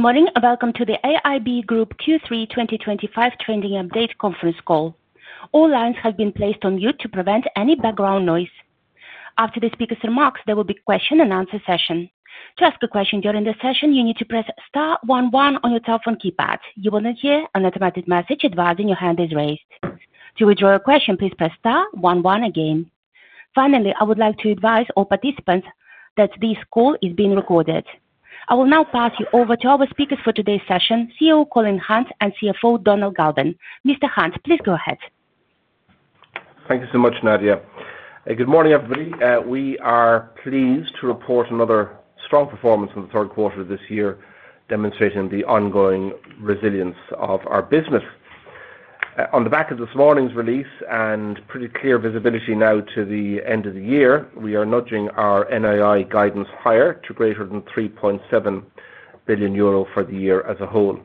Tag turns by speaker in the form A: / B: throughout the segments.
A: Good morning and welcome to the AIB Group Q3 2025 Trending Update Conference Call. All lines have been placed on mute to prevent any background noise. After the speaker's remarks, there will be a question-and-answer session. To ask a question during the session, you need to press star one one on your telephone keypad. You will then hear an automatic message advising your hand is raised. To withdraw your question, please press star one one again. Finally, I would like to advise all participants that this call is being recorded. I will now pass you over to our speakers for today's session, CEO Colin Hunt and CFO Donal Galvin. Mr. Hunt, please go ahead.
B: Thank you so much, Nadia. Good morning, everybody. We are pleased to report another strong performance in the third quarter of this year, demonstrating the ongoing resilience of our business. On the back of this morning's release and pretty clear visibility now to the end of the year, we are nudging our NII guidance higher to greater than 3.7 billion euro for the year as a whole.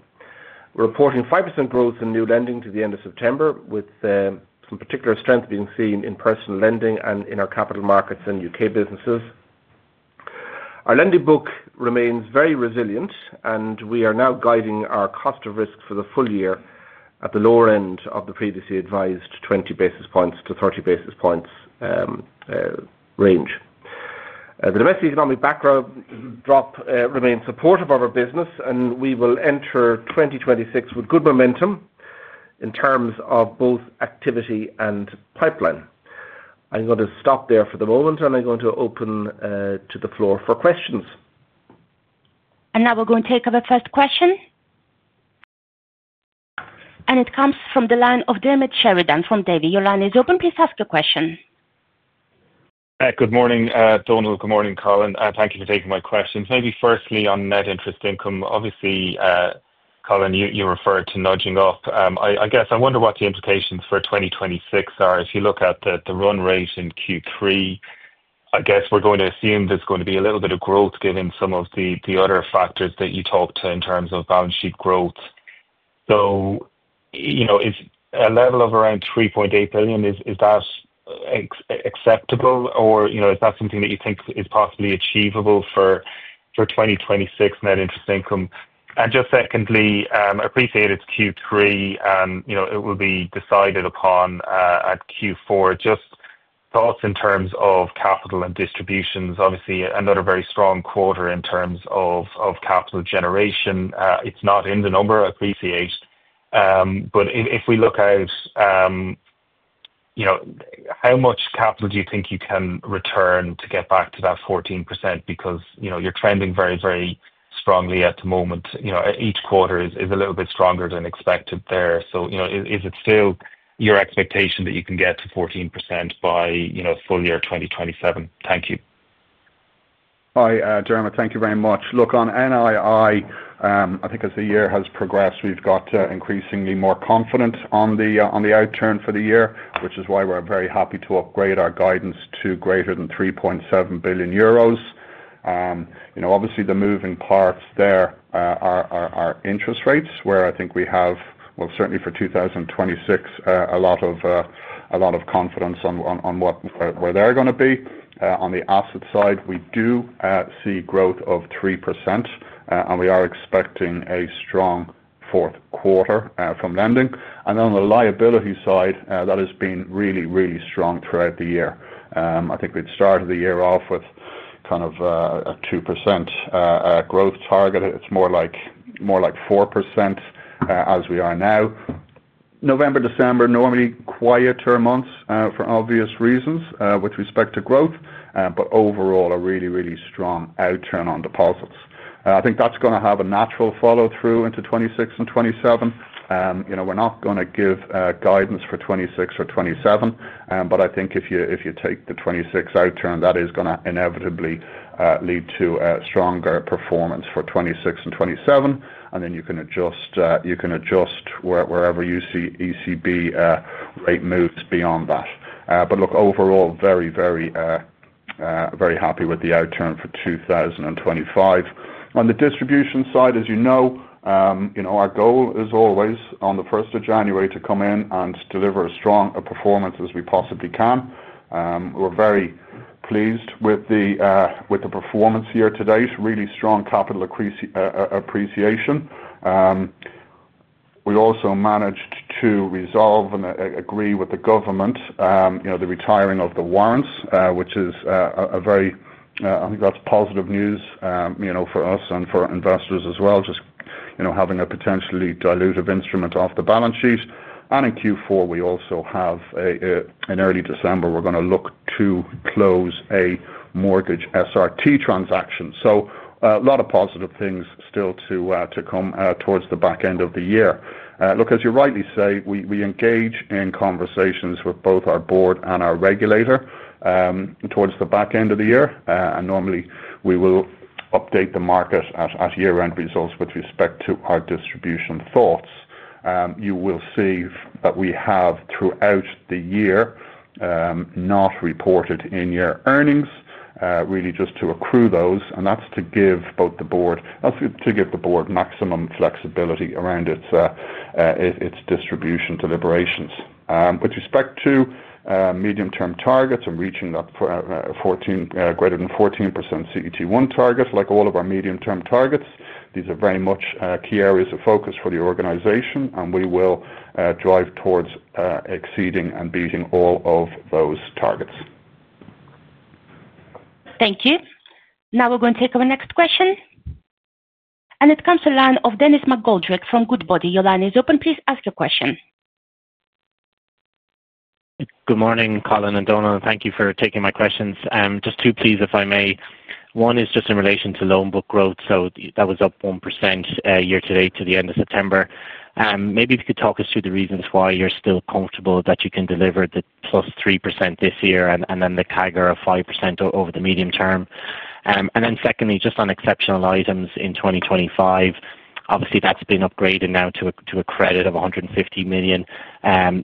B: We're reporting 5% growth in new lending to the end of September, with some particular strength being seen in personal lending and in our capital markets and U.K. businesses. Our lending book remains very resilient, and we are now guiding our cost of risk for the full year at the lower end of the previously advised 20 basis points-30 basis points range. The domestic economic backdrop remains supportive of our business, and we will enter 2026 with good momentum in terms of both activity and pipeline. I'm going to stop there for the moment, and I'm going to open to the floor for questions.
A: We are going to take up a first question. It comes from the line of Dairmaid Sheridan from Davy. Your line is open. Please ask a question.
C: Good morning, Donal. Good morning, Colin. Thank you for taking my question. Maybe firstly on net interest income, obviously. Colin, you referred to nudging up. I guess I wonder what the implications for 2026 are. If you look at the run rate in Q3, I guess we're going to assume there's going to be a little bit of growth given some of the other factors that you talked to in terms of balance sheet growth. A level of around 3.8 billion, is that acceptable, or is that something that you think is possibly achievable for 2026 net interest income? Just secondly, I appreciate it's Q3, and it will be decided upon at Q4. Just thoughts in terms of capital and distributions. Obviously, another very strong quarter in terms of capital generation. It's not in the number I appreciate. If we look out, how much capital do you think you can return to get back to that 14%? Because you're trending very, very strongly at the moment. Each quarter is a little bit stronger than expected there. Is it still your expectation that you can get to 14% by full year 2027? Thank you.
D: Hi, Dairmaid. Thank you very much. Look, on NII, I think as the year has progressed, we've got increasingly more confident on the outturn for the year, which is why we're very happy to upgrade our guidance to greater than 3.7 billion euros. Obviously, the moving parts there are interest rates, where I think we have, well, certainly for 2026, a lot of confidence on where they're going to be. On the asset side, we do see growth of 3%, and we are expecting a strong fourth quarter from lending. On the liability side, that has been really, really strong throughout the year. I think we'd started the year off with kind of a 2% growth target. It's more like 4% as we are now. November, December, normally quieter months for obvious reasons with respect to growth, but overall a really, really strong outturn on deposits. I think that's going to have a natural follow-through into 2026 and 2027. We're not going to give guidance for 2026 or 2027, but I think if you take the 2026 outturn, that is going to inevitably lead to stronger performance for 2026 and 2027, and then you can adjust wherever you see ECB rate moves beyond that. Look, overall, very, very happy with the outturn for 2025. On the distribution side, as you know, our goal is always on the 1st of January to come in and deliver as strong a performance as we possibly can. We're very pleased with the performance here today. It's really strong capital appreciation. We also managed to resolve and agree with the government the retiring of the warrants, which is a very, I think that's positive news for us and for investors as well, just having a potentially dilutive instrument off the balance sheet. In Q4, we also have, in early December, we're going to look to close a mortgage SRT transaction. A lot of positive things still to come towards the back end of the year. As you rightly say, we engage in conversations with both our board and our regulator towards the back end of the year. Normally, we will update the market at year-end results with respect to our distribution thoughts. You will see that we have throughout the year not reported in-year earnings, really just to accrue those. That's to give both the board, that's to give the board maximum flexibility around its distribution deliberations. With respect to medium-term targets and reaching that greater than 14% CET1 target, like all of our medium-term targets, these are very much key areas of focus for the organization, and we will drive towards exceeding and beating all of those targets.
A: Thank you. Now we're going to take our next question. It comes to the line of Denis McGoldrick from Goodbody. Your line is open. Please ask your question.
E: Good morning, Colin and Donal. Thank you for taking my questions. Just two please, if I may. One is just in relation to loan book growth. That was up 1% year-to-date to the end of September. Maybe if you could talk us through the reasons why you're still comfortable that you can deliver the +3% this year and then the CAGR of 5% over the medium term. Secondly, just on exceptional items in 2025, obviously that's been upgraded now to a credit of 150 million.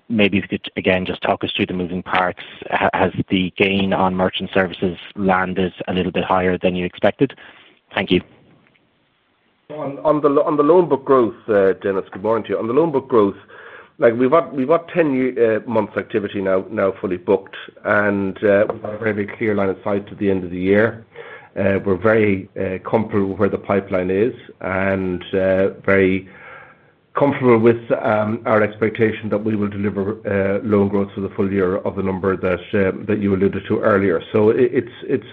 E: Maybe if you could, again, just talk us through the moving parts. Has the gain on merchant services landed a little bit higher than you expected? Thank you.
B: On the loan book growth, Dennis, good morning to you. On the loan book growth, we've got 10 months activity now fully booked, and we've got a very clear line of sight to the end of the year. We're very comfortable with where the pipeline is and very comfortable with our expectation that we will deliver loan growth for the full year of the number that you alluded to earlier. It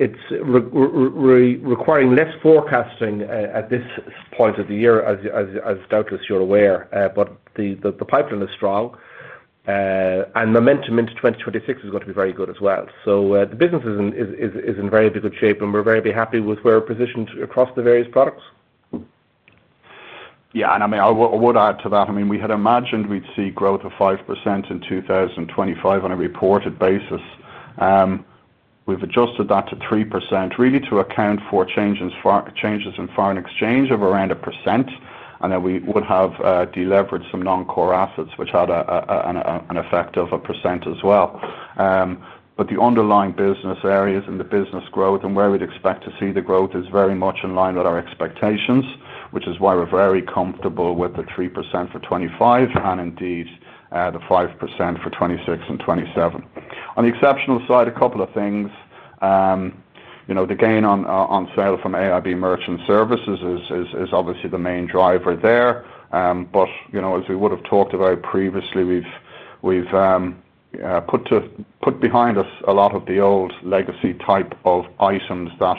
B: is requiring less forecasting at this point of the year, as doubtless you're aware, but the pipeline is strong. Momentum into 2026 is going to be very good as well. The business is in very good shape, and we're very happy with where we're positioned across the various products.
D: Yeah. I mean, I would add to that. I mean, we had imagined we'd see growth of 5% in 2025 on a reported basis. We've adjusted that to 3%, really to account for changes in foreign exchange of around 1%. Then we would have delivered some non-core assets, which had an effect of 1% as well. The underlying business areas and the business growth and where we'd expect to see the growth is very much in line with our expectations, which is why we're very comfortable with the 3% for 2025 and indeed the 5% for 2026 and 2027. On the exceptional side, a couple of things. The gain on sale from AIB Merchant Services is obviously the main driver there. As we would have talked about previously, we've put behind us a lot of the old legacy type of items that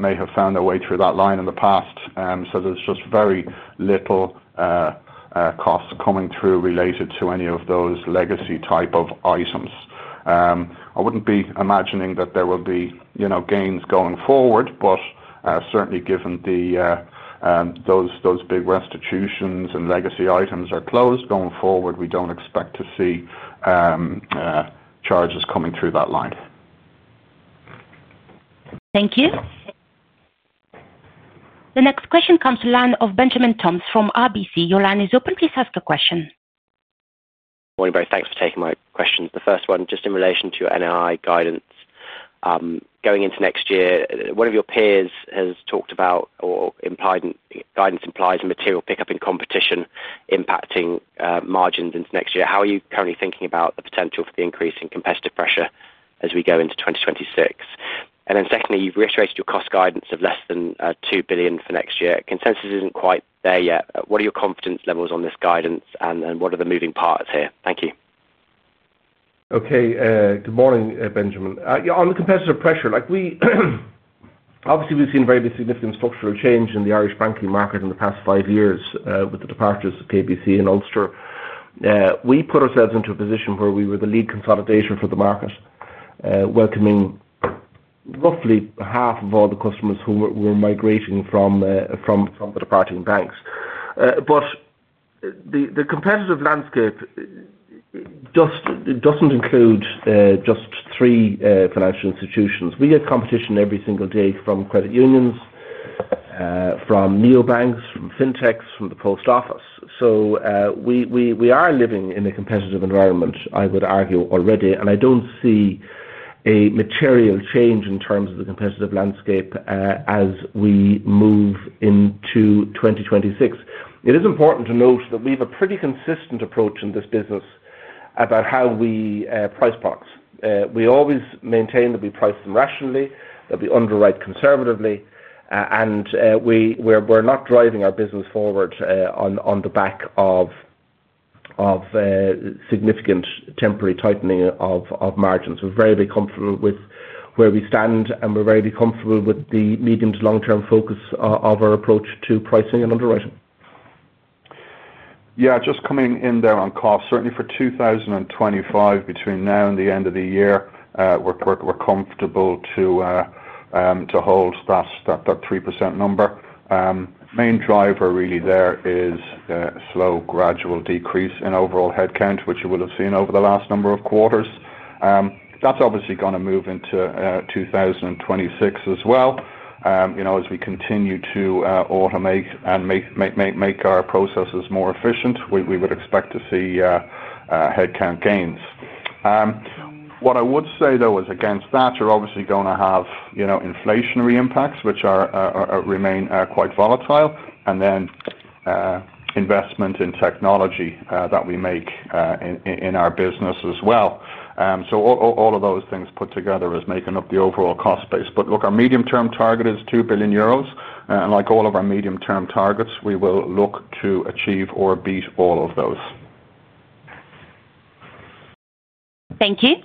D: may have found their way through that line in the past. There's just very little costs coming through related to any of those legacy type of items. I wouldn't be imagining that there will be gains going forward, but certainly given those big restitutions and legacy items are closed going forward, we don't expect to see charges coming through that line.
A: Thank you. The next question comes to the line of Benjamin Toms from RBC. Your line is open. Please ask a question.
F: Morning, both. Thanks for taking my questions. The first one, just in relation to your NII guidance. Going into next year, one of your peers has talked about or implied guidance implies material pickup in competition impacting margins into next year. How are you currently thinking about the potential for the increase in competitive pressure as we go into 2026? Secondly, you've reiterated your cost guidance of less than 2 billion for next year. Consensus isn't quite there yet. What are your confidence levels on this guidance, and what are the moving parts here? Thank you.
B: Okay. Good morning, Benjamin. On the competitive pressure. Obviously, we have seen very significant structural change in the Irish banking market in the past five years with the departures of KBC and Ulster. We put ourselves into a position where we were the lead consolidator for the market. Welcoming roughly half of all the customers who were migrating from the departing banks. The competitive landscape does not include just three financial institutions. We get competition every single day from credit unions, from neobanks, from fintechs, from the post office. We are living in a competitive environment, I would argue, already. I do not see a material change in terms of the competitive landscape as we move into 2026. It is important to note that we have a pretty consistent approach in this business about how we price products. We always maintain that we price them rationally, that we underwrite conservatively, and we are not driving our business forward on the back of significant temporary tightening of margins. We are very, very comfortable with where we stand, and we are very comfortable with the medium to long-term focus of our approach to pricing and underwriting.
D: Yeah. Just coming in there on cost, certainly for 2025, between now and the end of the year, we're comfortable to hold that 3% number. Main driver really there is slow, gradual decrease in overall headcount, which you will have seen over the last number of quarters. That's obviously going to move into 2026 as well. As we continue to automate and make our processes more efficient, we would expect to see headcount gains. What I would say, though, is against that, you're obviously going to have inflationary impacts, which remain quite volatile, and then investment in technology that we make in our business as well. All of those things put together is making up the overall cost base. Look, our medium-term target is 2 billion euros. Like all of our medium-term targets, we will look to achieve or beat all of those.
A: Thank you.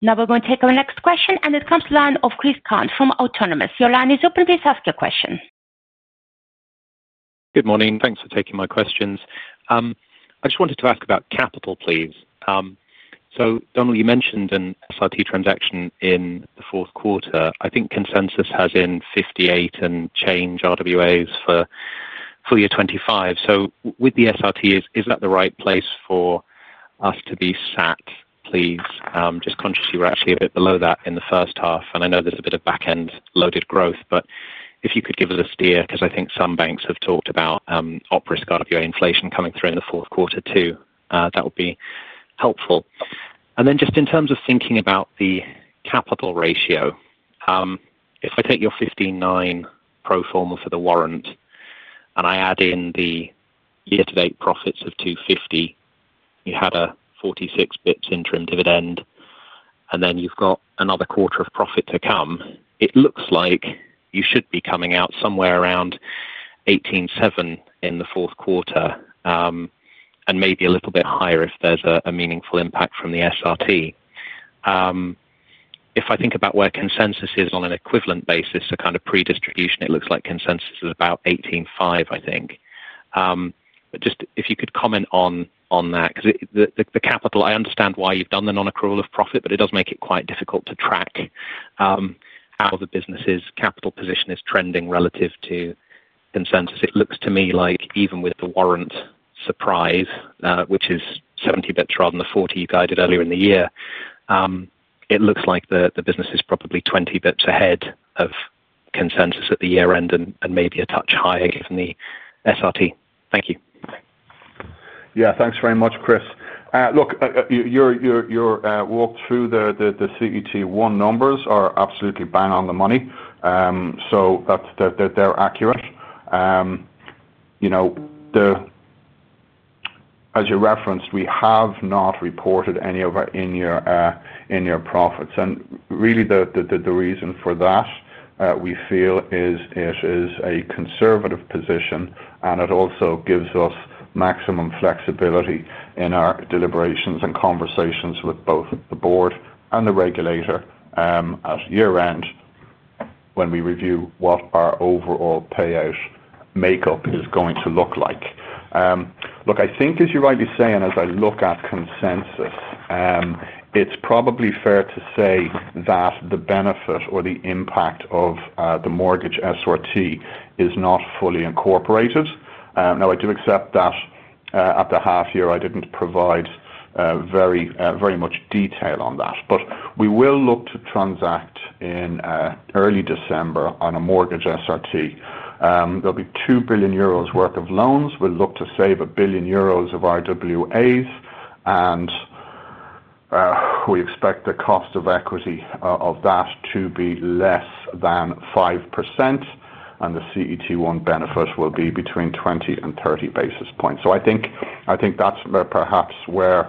A: Now we're going to take our next question. It comes to the line of [Chris Kahn] from Autonomous. Your line is open. Please ask your question.
G: Good morning. Thanks for taking my questions. I just wanted to ask about capital, please. So Donal, you mentioned an SRT transaction in the fourth quarter. I think consensus has in 58 and change RWAs for year 2025. So with the SRT, is that the right place for us to be sat, please? Just conscious you were actually a bit below that in the first half. I know there is a bit of back-end loaded growth, but if you could give us a steer, because I think some banks have talked about operating RWA inflation coming through in the fourth quarter too, that would be helpful. In terms of thinking about the capital ratio, if I take your 15:9 pro forma for the warrant and I add in the year-to-date profits of 250 million, you had a 46 basis point interim dividend, and then you have got another quarter of profit to come. It looks like you should be coming out somewhere around 18:7 in the fourth quarter, and maybe a little bit higher if there is a meaningful impact from the SRT. If I think about where consensus is on an equivalent basis to kind of predistribution, it looks like consensus is about 18:5, I think. If you could comment on that, because the capital, I understand why you have done the non-accrual of profit, but it does make it quite difficult to track how the business's capital position is trending relative to consensus. It looks to me like even with the warrant surprise, which is 70 basis points rather than the 40 you guided earlier in the year, it looks like the business is probably 20 basis points ahead of consensus at the year-end and maybe a touch higher given the SRT. Thank you.
D: Yeah. Thanks very much, Chris. Look. Your walkthrough, the CET1 numbers are absolutely bang on the money. So they're accurate. As you referenced, we have not reported any of our in-year profits. And really, the reason for that, we feel, is it is a conservative position, and it also gives us maximum flexibility in our deliberations and conversations with both the board and the regulator. At year-end, when we review what our overall payout makeup is going to look like. Look, I think, as you're rightly saying, as I look at consensus, it's probably fair to say that the benefit or the impact of the mortgage SRT is not fully incorporated. Now, I do accept that at the half-year, I didn't provide very much detail on that. But we will look to transact in early December on a mortgage SRT. There'll be 2 billion euros worth of loans. We'll look to save 1 billion euros of RWAs. And we expect the cost of equity of that to be less than 5%. And the CET1 benefit will be between 20 and 30 basis points. I think that's perhaps where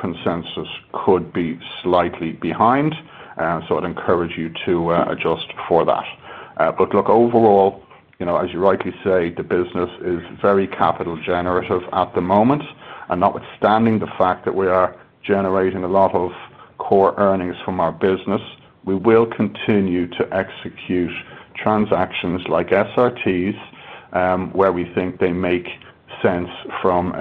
D: consensus could be slightly behind. I'd encourage you to adjust for that. Look, overall, as you rightly say, the business is very capital-generative at the moment. Notwithstanding the fact that we are generating a lot of core earnings from our business, we will continue to execute transactions like SRTs where we think they make sense from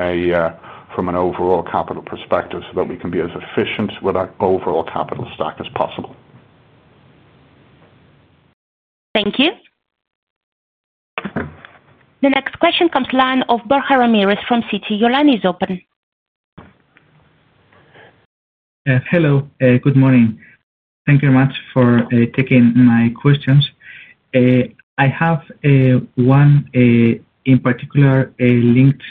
D: an overall capital perspective so that we can be as efficient with our overall capital stack as possible.
A: Thank you. The next question comes to the line of Borja Ramirez from Citi. Your line is open.
H: Hello. Good morning. Thank you very much for taking my questions. I have one, in particular, linked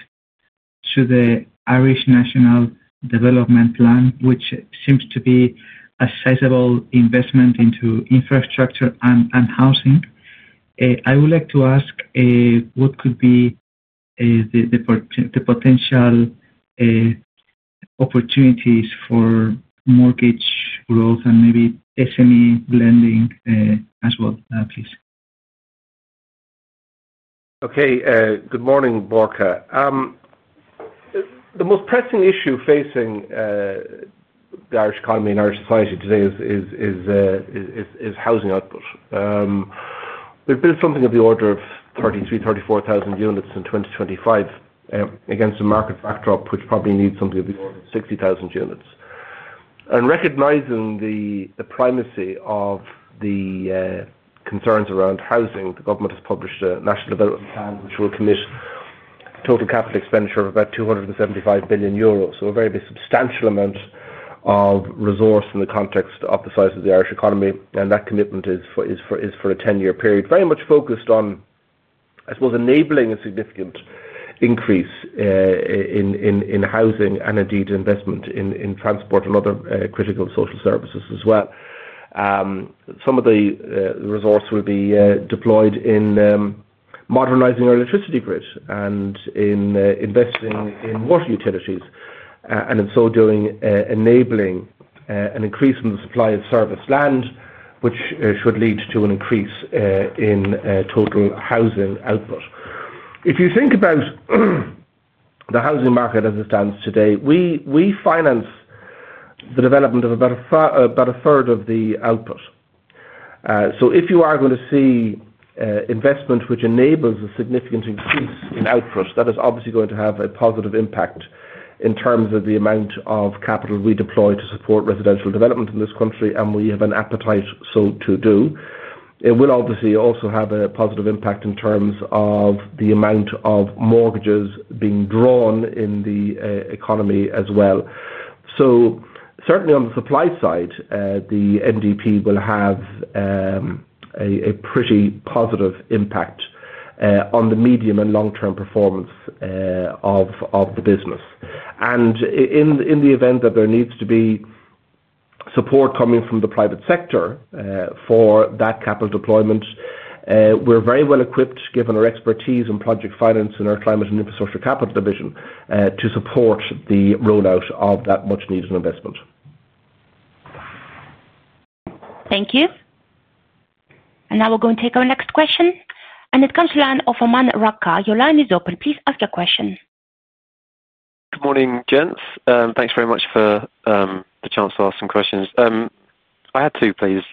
H: to the Irish National Development Plan, which seems to be a sizable investment into infrastructure and housing. I would like to ask what could be the potential opportunities for mortgage growth and maybe SME lending as well, please.
B: Okay. Good morning, Borja. The most pressing issue facing the Irish economy and Irish society today is housing output. We've built something of the order of 33,000-34,000 units in 2025 against a market backdrop which probably needs something of the order of 60,000 units. Recognizing the primacy of the concerns around housing, the government has published a national development plan which will commit total capital expenditure of about 275 billion euros. A very substantial amount of resource in the context of the size of the Irish economy. That commitment is for a 10-year period, very much focused on, I suppose, enabling a significant increase in housing and indeed investment in transport and other critical social services as well. Some of the resource will be deployed in modernizing our electricity grid and in investing in water utilities. In so doing, enabling an increase in the supply of service land, which should lead to an increase in total housing output. If you think about the housing market as it stands today, we finance the development of about a third of the output. If you are going to see investment which enables a significant increase in output, that is obviously going to have a positive impact in terms of the amount of capital we deploy to support residential development in this country. We have an appetite so to do. It will obviously also have a positive impact in terms of the amount of mortgages being drawn in the economy as well. Certainly, on the supply side, the NDP will have a pretty positive impact on the medium and long-term performance of the business. In the event that there needs to be support coming from the private sector for that capital deployment, we are very well equipped, given our expertise in project finance and our climate and infrastructure capital division, to support the rollout of that much-needed investment.
A: Thank you. Now we're going to take our next question. It comes to the line of [Oman Raka]. Your line is open. Please ask your question.
I: Good morning gents. Thanks very much for the chance to ask some questions. I had two, please.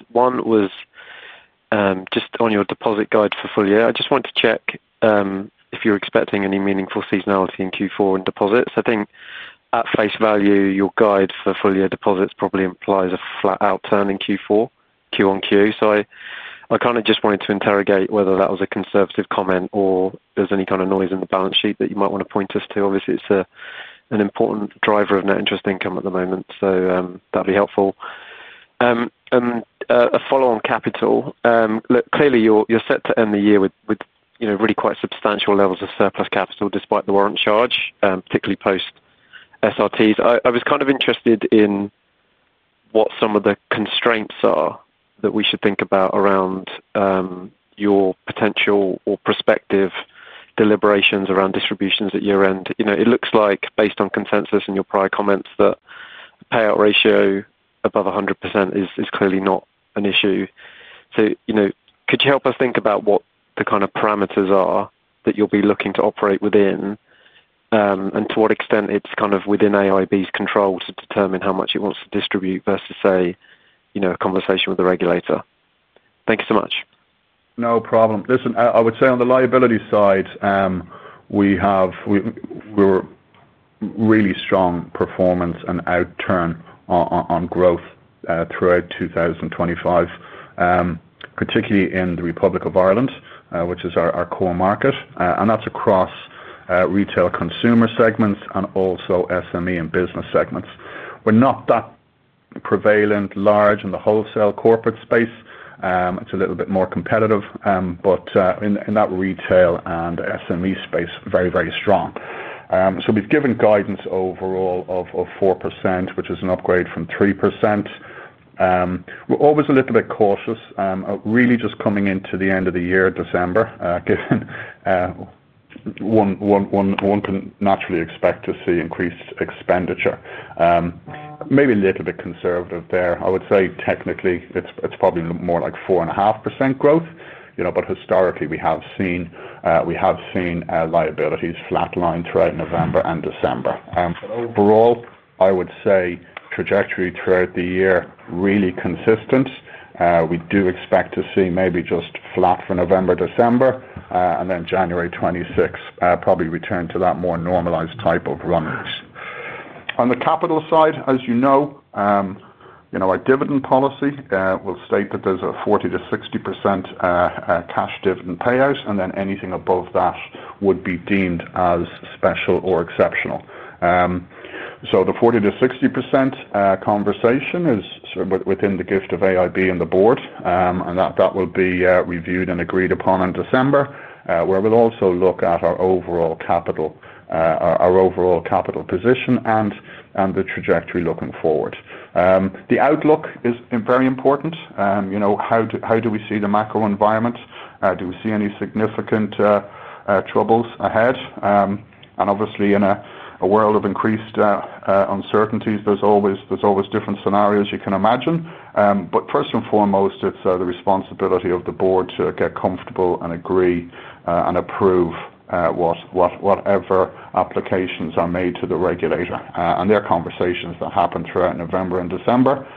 I: One was just on your deposit guide for full year. I just wanted to check if you're expecting any meaningful seasonality in Q4 in deposits. I think at face value, your guide for full year deposits probably implies a flat outturn in Q4, QoQ. I kind of just wanted to interrogate whether that was a conservative comment or if there's any kind of noise in the balance sheet that you might want to point us to. Obviously, it's an important driver of net interest income at the moment. That would be helpful. A follow-on on capital. Clearly, you're set to end the year with really quite substantial levels of surplus capital despite the warrant charge, particularly post-SRTs. I was kind of interested in what some of the constraints are that we should think about around your potential or prospective deliberations around distributions at year-end. It looks like, based on consensus and your prior comments, that the payout ratio above 100% is clearly not an issue. Could you help us think about what the kind of parameters are that you'll be looking to operate within, and to what extent it's kind of within AIB's control to determine how much it wants to distribute versus, say, a conversation with the regulator? Thank you so much.
D: No problem. Listen, I would say on the liability side, we have really strong performance and outturn on growth throughout 2025. Particularly in the Republic of Ireland, which is our core market. And that's across retail consumer segments and also SME and business segments. We're not that prevalent, large in the wholesale corporate space. It's a little bit more competitive. In that retail and SME space, very, very strong. We've given guidance overall of 4%, which is an upgrade from 3%. We're always a little bit cautious, really just coming into the end of the year, December, given one can naturally expect to see increased expenditure. Maybe a little bit conservative there. I would say technically, it's probably more like 4.5% growth. Historically, we have seen liabilities flat line throughout November and December. Overall, I would say trajectory throughout the year really consistent. We do expect to see maybe just flat for November, December, and then January 26th probably return to that more normalized type of runways. On the capital side, as you know, our dividend policy will state that there's a 40%-60% cash dividend payout. Anything above that would be deemed as special or exceptional. The 40%-60% conversation is within the gift of AIB and the Board. That will be reviewed and agreed upon in December, where we'll also look at our overall capital position and the trajectory looking forward. The outlook is very important. How do we see the macro environment? Do we see any significant troubles ahead? Obviously, in a world of increased uncertainties, there's always different scenarios you can imagine. First and foremost, it's the responsibility of the board to get comfortable and agree and approve whatever applications are made to the regulator. There are conversations that happen throughout November and December.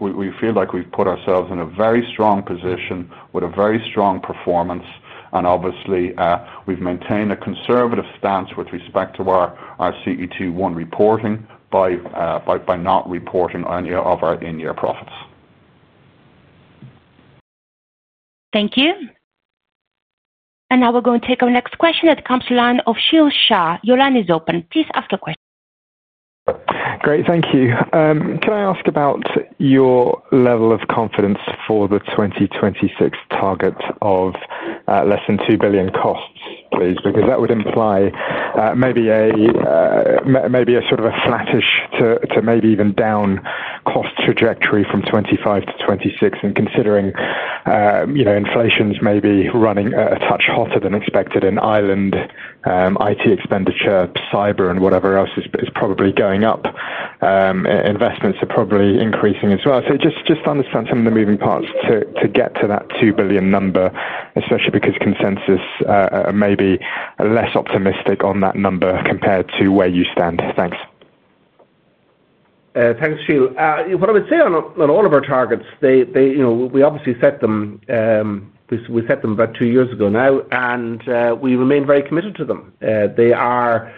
D: We feel like we've put ourselves in a very strong position with a very strong performance. Obviously, we've maintained a conservative stance with respect to our CET1 reporting by not reporting any of our in-year profits.
A: Thank you. Now we're going to take our next question. It comes to the line of [Shilsha]. Your line is open. Please ask your question.
J: Great. Thank you. Can I ask about your level of confidence for the 2026 target of less than 2 billion costs, please? Because that would imply maybe a sort of a flattish to maybe even down cost trajectory from 2025 to 2026. Considering inflation's maybe running a touch hotter than expected in Ireland, IT expenditure, cyber, and whatever else is probably going up. Investments are probably increasing as well. Just understand some of the moving parts to get to that 2 billion number, especially because consensus may be less optimistic on that number compared to where you stand. Thanks.
B: Thanks, [Shil]. What I would say on all of our targets, we obviously set them. We set them about two years ago now. We remain very committed to them. They are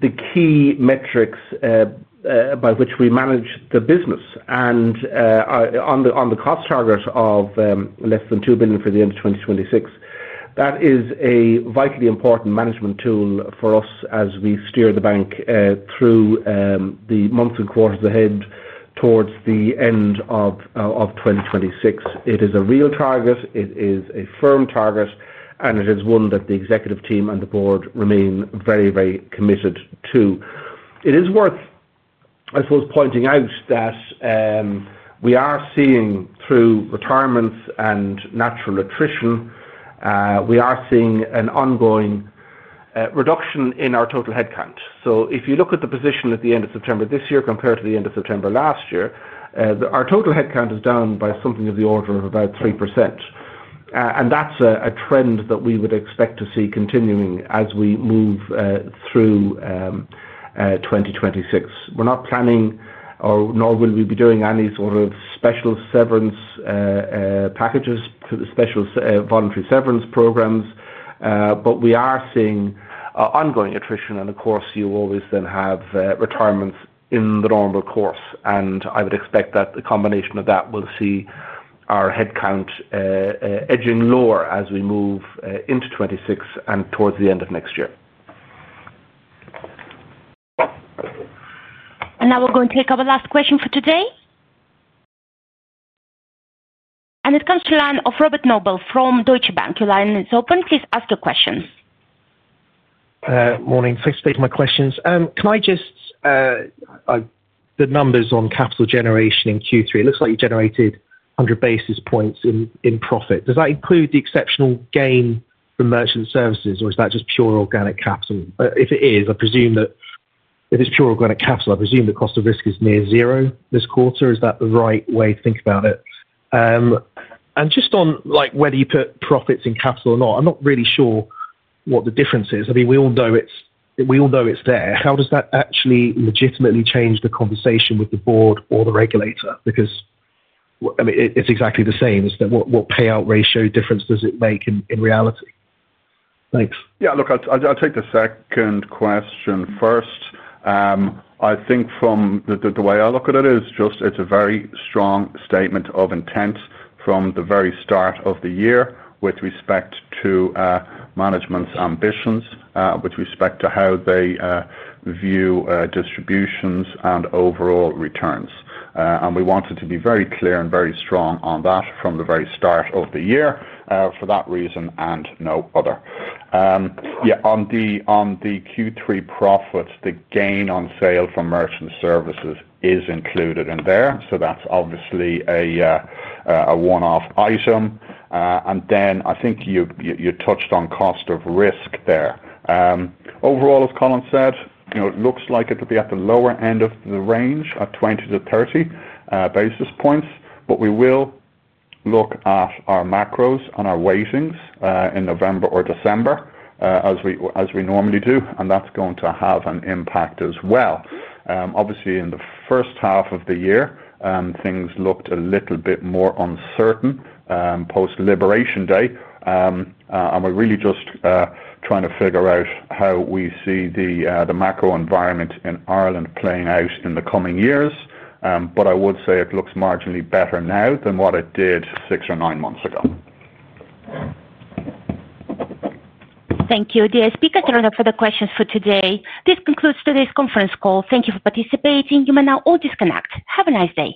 B: the key metrics by which we manage the business. On the cost target of less than 2 billion for the end of 2026, that is a vitally important management tool for us as we steer the bank through the months and quarters ahead towards the end of 2026. It is a real target. It is a firm target. It is one that the Executive Team and the Board remain very, very committed to. It is worth, I suppose, pointing out that we are seeing through retirements and natural attrition. We are seeing an ongoing reduction in our total headcount. If you look at the position at the end of September this year compared to the end of September last year, our total headcount is down by something of the order of about 3%. That is a trend that we would expect to see continuing as we move through 2026. We are not planning, nor will we be doing any sort of special voluntary severance programs. We are seeing ongoing attrition. Of course, you always then have retirements in the normal course. I would expect that the combination of that will see our headcount edging lower as we move into 2026 and towards the end of next year.
A: We are going to take our last question for today. It comes to the line of Robert Noble from Deutsche Bank. Your line is open. Please ask your question.
K: Morning. Thanks for taking my questions. Can I just, the numbers on capital generation in Q3? It looks like you generated 100 basis points in profit. Does that include the exceptional gain from merchant services, or is that just pure organic capital? If it is, I presume that if it's pure organic capital, I presume the cost of risk is near zero this quarter. Is that the right way to think about it? Just on whether you put profits in capital or not, I'm not really sure what the difference is. I mean, we all know it's there. How does that actually legitimately change the conversation with the Board or the Regulator? Because it's exactly the same. It's that what payout ratio difference does it make in reality? Thanks.
D: Yeah. Look, I'll take the second question first. I think from the way I look at it, it's just a very strong statement of intent from the very start of the year with respect to management's ambitions, with respect to how they view distributions and overall returns. We wanted to be very clear and very strong on that from the very start of the year for that reason and no other. Yeah. On the Q3 profits, the gain on sale from merchant services is included in there. That's obviously a one-off item. I think you touched on cost of risk there. Overall, as Colin said, it looks like it'll be at the lower end of the range, at 20-30 basis points. We will look at our macros and our weightings in November or December, as we normally do. That's going to have an impact as well. Obviously, in the first half of the year, things looked a little bit more uncertain post-liberation day. We're really just trying to figure out how we see the macro environment in Ireland playing out in the coming years. I would say it looks marginally better now than what it did six or nine months ago.
A: Thank you. Dear speakers, that's all for the questions for today. This concludes today's conference call. Thank you for participating. You may now all disconnect. Have a nice day.